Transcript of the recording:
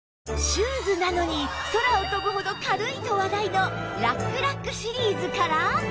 シューズなのに空を飛ぶほど軽いと話題のラックラックシリーズから